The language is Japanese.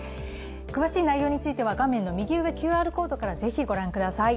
詳しい内容については画面の右上、ＱＲコードから御覧ください。